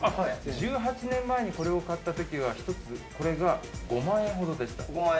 １８年前にこれを買ったときは、１つ５万円ほどでした。